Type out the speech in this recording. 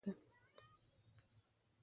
پاتې ټوپکوالو بیا ډګروال ته کتل.